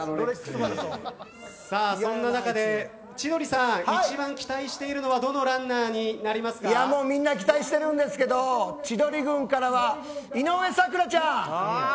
そんな中で千鳥さん一番期待しているのはみんな期待しているんですけど千鳥軍からは井上咲楽ちゃん。